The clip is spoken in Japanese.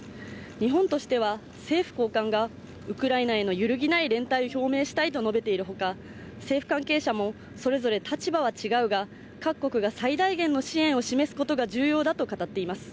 日本としては、政府高官がウクライナへの揺るぎない連帯を表明したいと述べているほか、政府関係者もそれぞれ立場は違うが各国が最大限の支援を示すことが重要だと語っています。